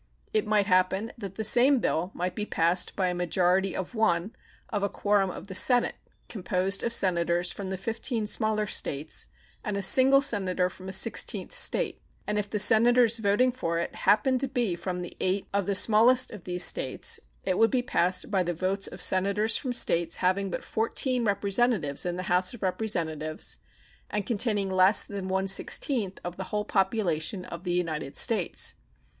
It might happen that the same bill might be passed by a majority of one of a quorum of the Senate, composed of Senators from the fifteen smaller States and a single Senator from a sixteenth State; and if the Senators voting for it happened to be from the eight of the smallest of these States, it would be passed by the votes of Senators from States having but fourteen Representatives in the House of Representatives, and containing less than one sixteenth of the whole population of the United States.